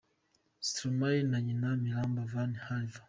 Stromae na nyina Miranda van Harver.